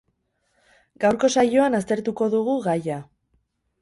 Gaurko saioan aztertuko dugu gaia.